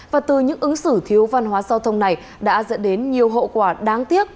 và từ những ứng xử thiếu văn hóa giao thông này đã dẫn đến nhiều hậu quả đáng tiếc